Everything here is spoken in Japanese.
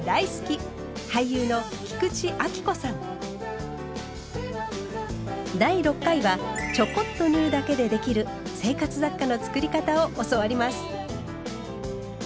俳優の第６回はちょこっと縫うだけでできる生活雑貨の作り方を教わります。